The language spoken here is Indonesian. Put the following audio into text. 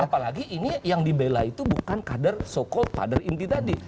betul apalagi ini yang dibela itu bukan kader so called pada inti tadi